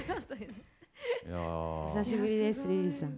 いや。お久しぶりですリリーさん。